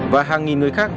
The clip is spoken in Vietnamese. và hàng nghìn người khác